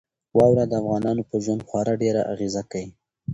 واوره د افغانانو په ژوند خورا ډېره اغېزه کوي.